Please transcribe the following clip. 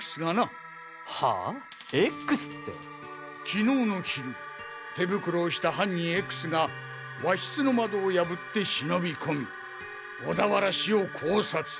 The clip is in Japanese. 昨日の昼手袋をした犯人Ｘが和室の窓を破って忍び込み小田原氏を絞殺。